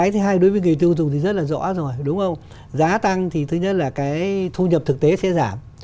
thứ nhất là cái thu nhập thực tế sẽ giảm